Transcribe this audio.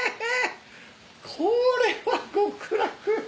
これは極楽。